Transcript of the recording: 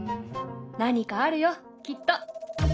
何かあるよきっと。